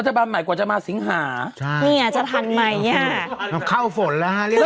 รัฐบาลใหม่กว่าจะมาสิงหาใช่เนี่ยจะทันไหมอ่ะเราเข้าฝนแล้วฮะเรียบ